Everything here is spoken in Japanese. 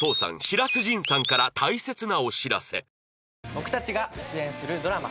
僕たちが出演するドラマ